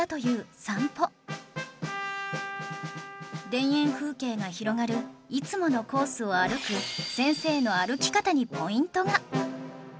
田園風景が広がるいつものコースを歩く先生の歩き方にポイントが